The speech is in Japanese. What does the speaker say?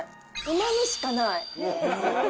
うまみしかない！